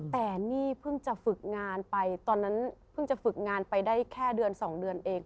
แต่นี่เพิ่งจะฝึกงานไปตอนนั้นเพิ่งจะฝึกงานไปได้แค่เดือน๒เดือนเอง